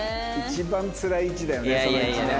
一番つらい位置だよね